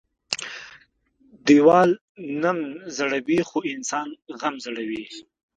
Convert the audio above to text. ـ ديوال نم زړوى خو انسان غم زړوى.